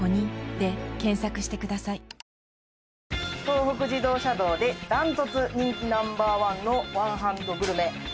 東北自動車道で断トツ人気ナンバー１のワンハンドグルメ